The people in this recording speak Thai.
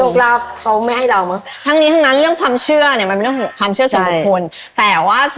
ภรรณานั้นเรื่องความเชื่อ